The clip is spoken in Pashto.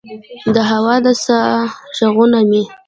د هوا د سا ه ږغونه مې